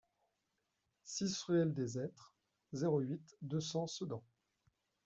six ruelle des Hêtres, zéro huit, deux cents Sedan